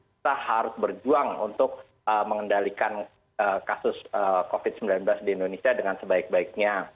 kita harus berjuang untuk mengendalikan kasus covid sembilan belas di indonesia dengan sebaik baiknya